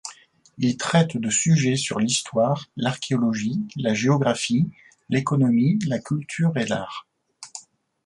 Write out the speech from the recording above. Il traite de sujets sur l’histoire, l’archéologie, la géographie, l’économie, la culture et l’art.